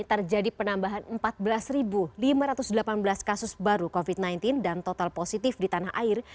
terjadi penambahan empat belas lima ratus delapan belas kasus baru covid sembilan belas dan total positif di tanah air